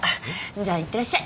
じゃあいってらっしゃい。